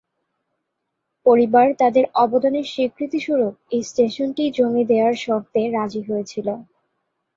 পরিবার তাদের অবদানের স্বীকৃতি স্বরূপ এই স্টেশনটি জমি দেওয়ার শর্তে রাজি হয়েছিল।